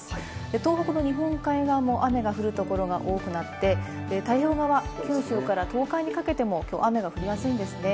東北の日本海側も雨が降るところが多くなって太平洋側、九州から東海にかけても雨が降りやすいんですね。